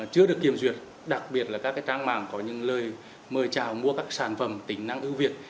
chưa được kiểm duyệt đặc biệt là các trang mạng có những lời mời chào mua các sản phẩm tính năng ưu việt